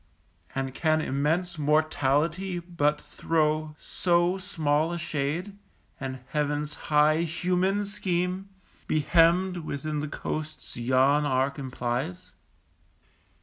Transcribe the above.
And can immense Mortality but throw So small a shade, and Heaven's high human scheme Be hemmed within the coasts yon arc implies?